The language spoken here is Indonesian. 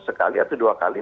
sekali atau dua kali